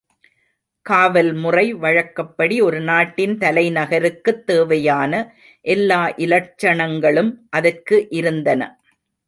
காவல்முறை வழக்கப்படி ஒரு நாட்டின் தலைநகருக்குத் தேவையான எல்லா இலட்சணங்களும் அதற்கு இருந்தன.